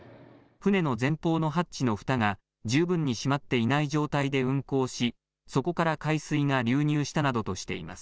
船の前方のハッチのふたが十分に閉まっていない状態で運航しそこから海水が流入したなどとしています。